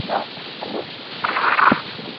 زده کړه د سوله ییز ژوند لپاره مهمه ده.